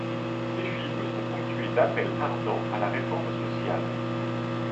Ses films sont ponctués d'appels ardents à la réforme sociale.